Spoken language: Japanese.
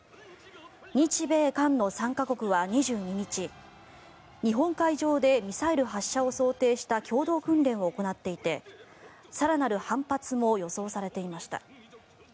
日米韓の３か国は２２日日本海上でミサイル発射を想定した共同訓練を行っていて更なる反発も予想されていました。